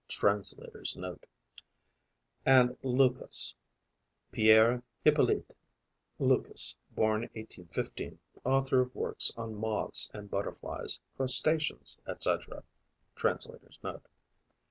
Translator's Note.) and Lucas (Pierre Hippolyte Lucas (born 1815), author of works on Moths and Butterflies, Crustaceans, etc. Translator's Note.)